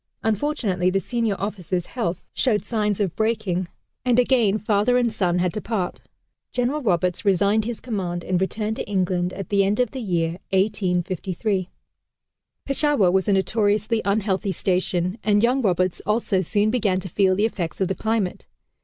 Unfortunately the senior officer's health showed signs of breaking and again father and son had to part. General Roberts resigned his command and returned to England, at the end of the year 1853. Peshawar was a notoriously unhealthy station, and young Roberts also soon began to feel the effects of the climate.